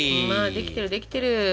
まあできてるできてる。